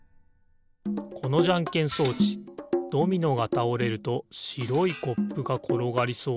このじゃんけん装置ドミノがたおれるとしろいコップがころがりそうだけど。